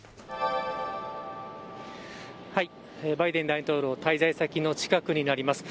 大統領滞在先の近くになります。